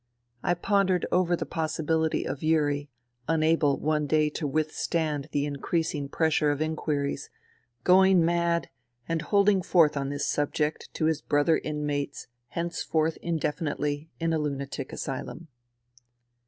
I pondered over the possibility of Yuri, unable one day to withstand the increasing pressure of inquiries, going mad and holding forth on this subject to his brother inmates henceforth indefinitely in a lunatic asylum.